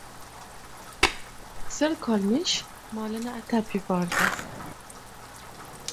Qisir qolmish molini atab yubordi: